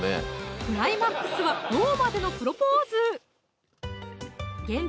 クライマックスはローマでのプロポーズ限定